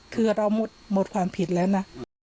คือเราหมดความผิดแล้วนะ